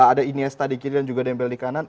ada iniesta di kiri dan juga dembel di kanan